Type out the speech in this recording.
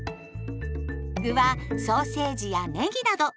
具はソーセージやねぎなど。